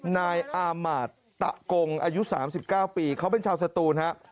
นายอาหมาตะกงอายุ๓๙ปีเขาเป็นชาวศัตรูนะฮะ